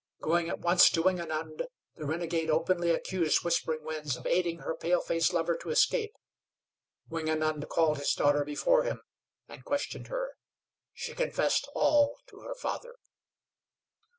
Going at once to Wingenund, the renegade openly accused Whispering Winds of aiding her paleface lover to escape. Wingenund called his daughter before him, and questioned her. She confessed all to her father.